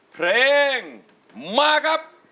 เพลงมาครับ